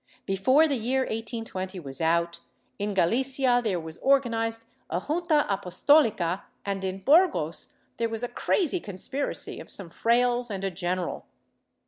Before the year 1820 was out, in Galicia there was organized a Junta Apostolica and in Burgos there was a crazy conspiracy of some frailes and a general.